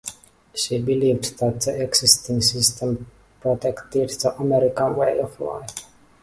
She believed that the existing system protected the American way of life.